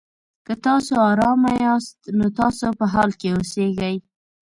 که تاسو ارامه یاست؛ نو تاسو په حال کې اوسېږئ.